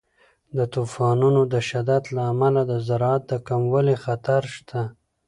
د طوفانونو د شدت له امله د زراعت د کموالي خطر شته.